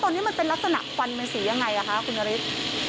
ตอนนี้มันเป็นลักษณะควันเป็นสียังไงคะคุณนฤทธิ์